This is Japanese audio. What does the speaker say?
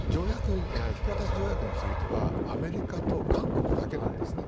引き渡し条約についてはアメリカと韓国だけなんです。